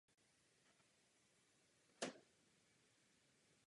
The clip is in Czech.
Jsem a zůstanu pro přistoupení Turecka k Evropské unii.